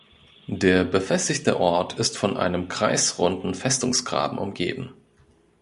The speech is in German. Der befestigte Ort ist von einem kreisrunden Festungsgraben umgeben.